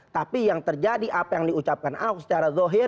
tapi yang terjadi apa yang diucapkan ahok secara zohir